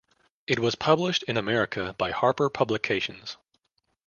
It was published in America by Harper Publications.